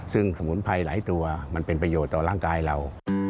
ซึ่งสมุนไพรหลายตัวมันเป็นประโยชน์ต่อร่างกายเรา